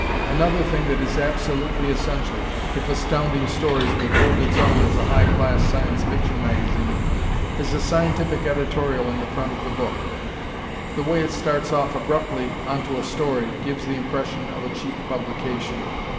Another thing that is absolutely essential if Astounding Stories would hold its own as a high class Science Fiction magazine is a scientific editorial in the front of the book. The way it starts off abruptly onto a story gives the impression of a cheap publication.